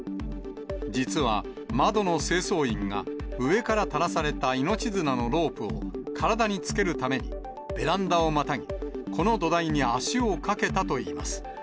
実は、窓の清掃員が上から垂らされた命綱のロープを体につけるために、ベランダをまたぎ、この土台に足をかけたといいます。